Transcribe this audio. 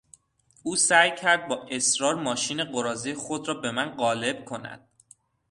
او سعی کرد با اصرار ماشین قراضهی خود را به من قالب کند.